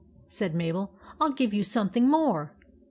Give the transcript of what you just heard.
" said Mabel. " I '11 give you something more."